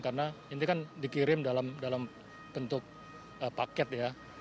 karena ini kan dikirim dalam bentuk paket ya